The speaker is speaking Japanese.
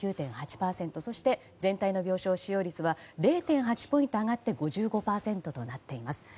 そして全体の病床使用率は０．８ポイント上がって５５％となっています。